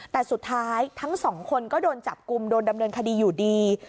แต่สุดท้ายทั้งสองคนก็โดนจับกลุ่มโดนดำเนินคดีอยู่ดี